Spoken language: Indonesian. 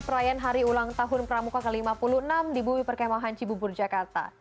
perayaan hari ulang tahun pramuka ke lima puluh enam di bumi perkemahan cibubur jakarta